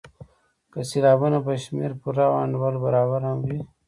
که سېلابونه په شمېر پوره او انډول برابر هم وي.